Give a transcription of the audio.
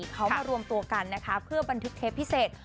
เขามารวมตัวกันนะคะเพื่อบันทึกเทปพิเศษ